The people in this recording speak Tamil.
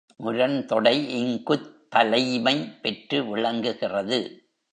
முரண் தொடை இங்குத் தலைமை பெற்று விளங்குகிறது.